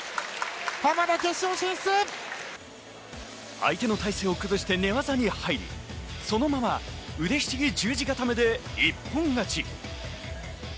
相手の体勢を崩して寝技に入り、そのまま腕ひしぎ十字固めで一本勝ち。